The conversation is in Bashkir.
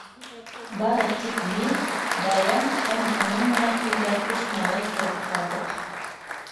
Бары тик мин, Даян һәм уның менән килгән өс малай тороп ҡалдыҡ.